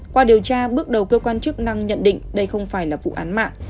qua điều tra bước đầu cơ quan chức năng nhận định đây không phải là vụ án mạng